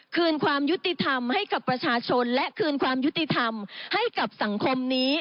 คืนความยุติธรรมให้กับประชาชนและคืนความยุติธรรมให้กับสังคมนี้